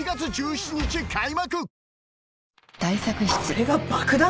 これが爆弾！？